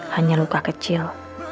hanya luka kecil